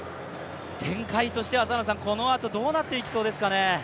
展開としては、このあとどうなっていきそうですかね。